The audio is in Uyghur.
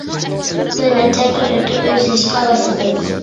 بىر نەچچە كۈن ئۆتۈپ ئۆي سېلىشقا باشلىدىم.